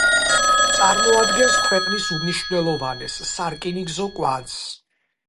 წარმოადგენს ქვეყნის უმნიშვნელოვანეს სარკინიგზო კვანძს.